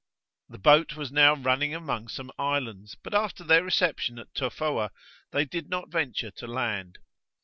The boat was now running among some islands, but after their reception at Tofoa, they did not venture to land.